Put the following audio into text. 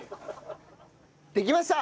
できました！